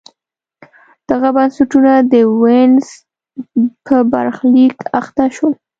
دغه بنسټونه د وینز په برخلیک اخته شول.